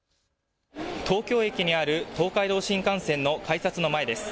東京駅にある東海道新幹線の改札の前です。